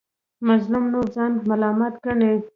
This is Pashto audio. مظلوم نور ځان ملامت ګڼي.